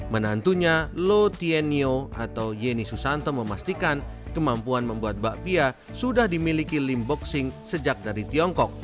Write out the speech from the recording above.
menantunya lo tien nyo atau yeni susanto memastikan kemampuan membuat bapia sudah dimiliki lim bok sing sejak dari tiongkok